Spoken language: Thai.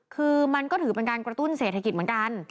คือมันก็ถือเป็นการกระตุ้นเศรษฐกิจเหมือนกัน